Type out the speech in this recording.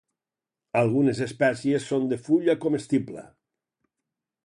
Algunes espècies són de fulla comestible.